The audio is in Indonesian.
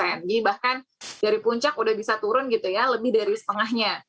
jadi bahkan dari puncak sudah bisa turun lebih dari setengahnya